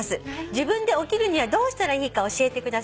「自分で起きるにはどうしたらいいか教えてください」